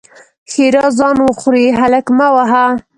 ښېرا: ځان وخورې؛ هلک مه وهه!